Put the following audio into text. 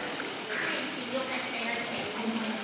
かえってよかったよって思えば。